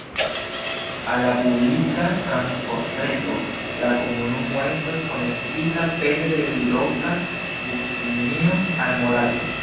Al la publika transportreto la komunumo estas konektita pere de loka buslinio al Morato.